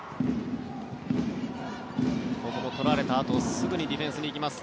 ここも取られたあとすぐディフェンスに行きます。